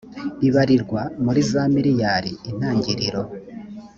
ibarirwa muri za miriyari intangiriro